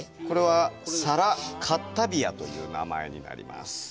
これは「サラ・カッタビア」という名前になります。